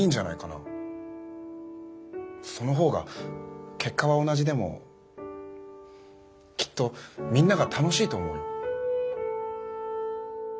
そのほうが結果は同じでもきっとみんなが楽しいと思うよ。